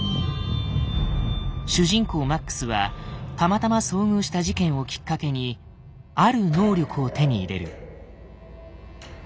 主人公マックスはたまたま遭遇した事件をきっかけにある能力を手に入れる。